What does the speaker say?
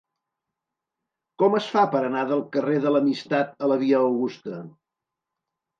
Com es fa per anar del carrer de l'Amistat a la via Augusta?